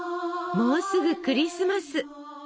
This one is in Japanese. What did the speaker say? もうすぐクリスマス！